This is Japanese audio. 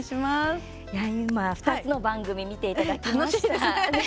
今、２つの番組見ていただきましたが。